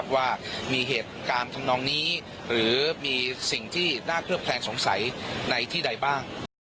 ว่ามีเหตุการณ์ทำนองนี้หรือมีสิ่งที่น่าเคลือบแคลงสงสัยในที่ใดบ้าง